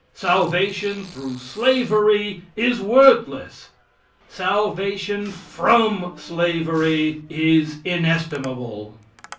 Salvation through slavery is worthless. Salvation from slavery is inestimable.